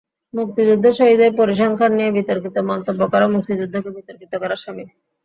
মুক্তিযুদ্ধে শহীদের পরিসংখ্যান নিয়ে বিতর্কিত মন্তব্য করা মুক্তিযুদ্ধকে বিতর্কিত করার শামিল।